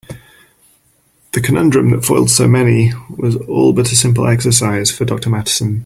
The conundrum that foiled so many was all but a simple exercise for Dr. Masterson.